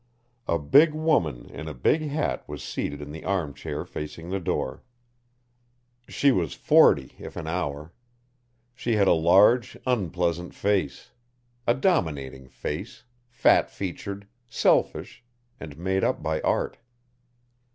A big woman in a big hat was seated in the arm chair facing the door. She was forty if an hour. She had a large unpleasant face. A dominating face, fat featured, selfish, and made up by art.